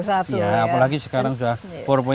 apalagi sekarang sudah empat ya